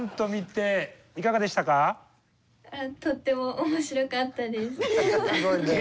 とっても面白かったです。